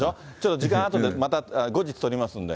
時間あとで、また後日取りますので。